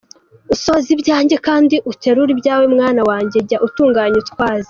Usoze ibyanjye kandi uterure ibyawe, mwana wanjye jya utunganya utwaza.